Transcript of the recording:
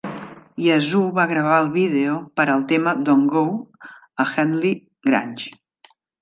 Yazoo va gravar el vídeo per al tema "Don't Go" a Headley Grange.